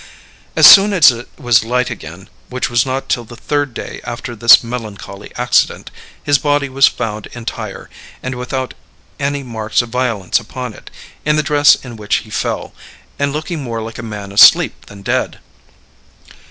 As soon as it was light again, which was not till the third day after this melancholy accident, his body was found entire, and without any marks of violence upon it, in the dress in which he fell, and looking more like a man asleep than dead.